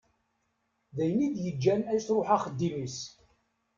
D ayen i d-yeǧǧan ad yesruḥ axeddim-is.